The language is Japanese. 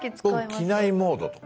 僕「機内モード」とか。